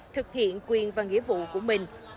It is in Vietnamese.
thực hiện quyền và nghĩa vụ của mình